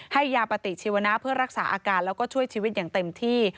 ให้ยาปฏิชีวนะเพื่อรักษาอาการแล้วก็ช่วยชีวิตอย่างเต็มที่